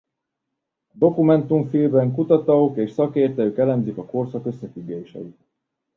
A dokumentumfilmben kutatók és szakértők elemzik a korszak összefüggéseit.